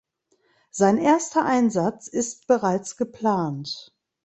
Sein erster Einsatz ist bereits geplant.